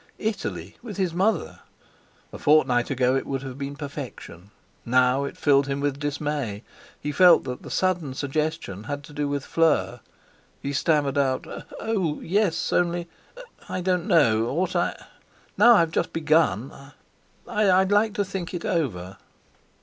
Italy with his mother! A fortnight ago it would have been perfection; now it filled him with dismay; he felt that the sudden suggestion had to do with Fleur. He stammered out: "Oh! yes; only—I don't know. Ought I—now I've just begun? I'd like to think it over."